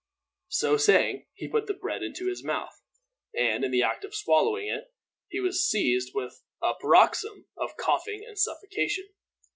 So saying, he put the bread into his mouth, and in the act of swallowing it he was seized with a paroxysm of coughing and suffocation.